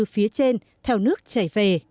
phía trên theo nước chảy về